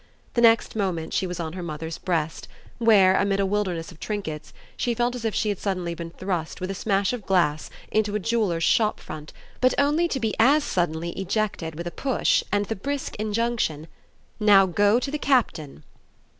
The next moment she was on her mother's breast, where, amid a wilderness of trinkets, she felt as if she had suddenly been thrust, with a smash of glass, into a jeweller's shop front, but only to be as suddenly ejected with a push and the brisk injunction: "Now go to the Captain!"